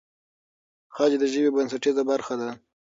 خج د ژبې بنسټیزه برخه ده.